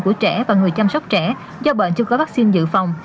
của trẻ và người chăm sóc trẻ do bệnh chưa có vaccine dự phòng